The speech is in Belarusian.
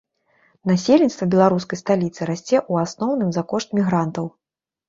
Насельніцтва беларускай сталіцы расце ў асноўным за кошт мігрантаў.